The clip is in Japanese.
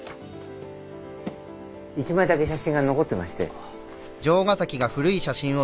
１枚だけ写真が残ってまして。